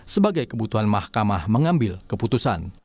sebagai kebutuhan mahkamah mengambil keputusan